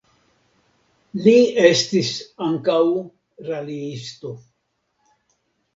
Li estis ankaŭ raliisto.